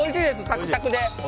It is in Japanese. サクサクで。